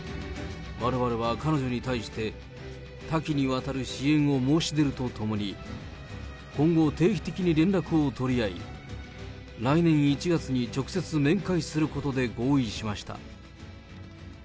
われわれは彼女に対して、多岐にわたる支援を申し出るとともに、今後、定期的に連絡を取り合い、来年１月に直接面会することで合意しました。